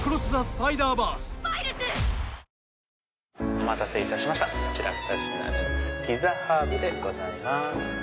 お待たせいたしましたこちら２品目のピッツァハーブでございます。